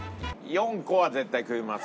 ４個は絶対食えます。